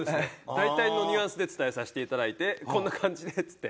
大体のニュアンスで伝えさせていただいてこんな感じでっつって。